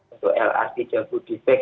untuk lrt jabu dibag